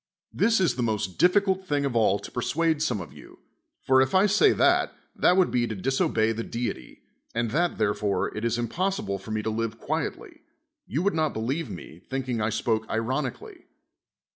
This is the most dififi 80 S O CRATES cult thins: of all to persuade some of you. For if I say that that would be to disohey the deity, and that therefore it is impossible for me to live quietly, you would not believe me, thinking I spoke ironically.